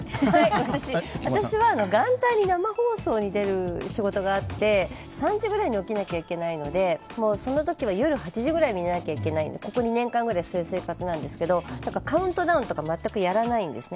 私は元旦に生放送に出る仕事があって３時ぐらいに起きなきゃいけないのでそのときは夜８時ぐらいに寝なきゃいけないのでここに２年間ぐらいそういう生活なんですけどカウントダウンとか全くやらないんですね。